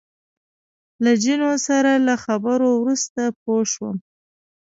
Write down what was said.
له جینو سره له خبرو وروسته پوه شوم.